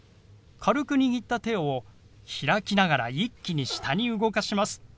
軽く握った手を開きながら一気に下に動かします。